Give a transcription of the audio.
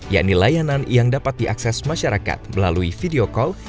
yakni layanan yang dapat diakses masyarakat melalui video call